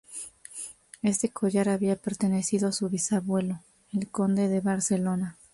Este collar había pertenecido a su bisabuelo el conde de Barcelona.